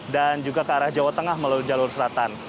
dan juga ke arah jawa tengah melalui jalur selatan